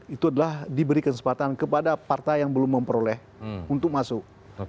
itu adalah diberi kesempatan kepada partai yang belum memperoleh untuk masuk